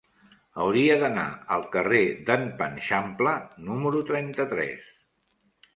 Hauria d'anar al carrer d'en Panxampla número trenta-tres.